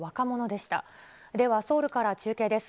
では、ソウルから中継です。